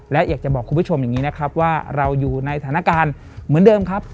และอยากจะบอกคุณผู้ชมอย่างนี้นะครับว่าเราอยู่ในสถานการณ์เหมือนเดิมครับ